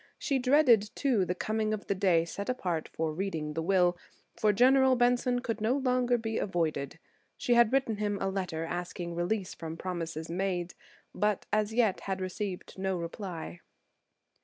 She dreaded, too, the coming of the day set apart for reading the will, for General Benson could no longer be avoided. She had written him a letter asking a release from promises made, but as yet had received no reply.